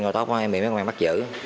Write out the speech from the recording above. màu tóc của em bị mấy công an bắt giữ